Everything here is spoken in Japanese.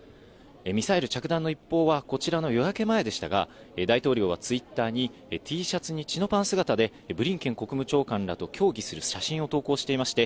ミサイル着弾の一報はこちらの夜明け前でしたが、大統領はＴｗｉｔｔｅｒに、Ｔシャツにチノパン姿でブリンケン国務長官らと協議する写真を投稿していました。